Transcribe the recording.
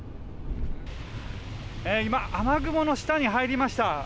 今、雨雲の下に入りました。